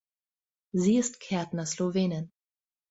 Sie ist Kärntner Slowenin.